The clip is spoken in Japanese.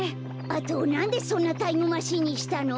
あとなんでそんなタイムマシーンにしたの？